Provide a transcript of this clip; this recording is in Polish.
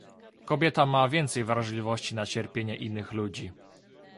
Kobieta ma więcej wrażliwości na cierpienie innych ludzi